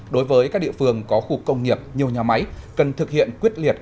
đối với các địa phương có khu công nghiệp nhiều nhà máy cần thực hiện quyết liệt